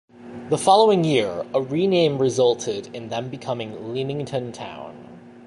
The following year a rename resulted in them becoming Leamington Town.